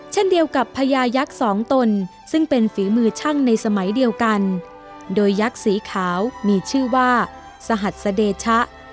เช่นเดียวกับพญายักษ์สองตนซึ่งเป็นฝีมือช่างในสมัยเดียวกันโดยยักษ์สีขาวมีชื่อว่าสหัสเดชะ